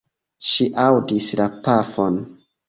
Ŝi aŭdis la pafon.